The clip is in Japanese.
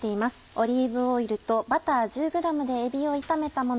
オリーブオイルとバター１０ｇでえびを炒めたもの。